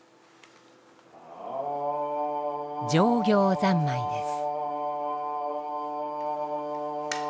常行三昧です。